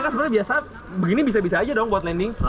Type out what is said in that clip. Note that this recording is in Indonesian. kan sebenarnya biasa begini bisa bisa aja dong buat landing